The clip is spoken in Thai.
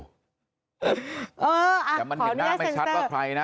เออขอมีได้เซ็นเซอร์แต่มันเห็นหน้าไม่ชัดว่าใครนะ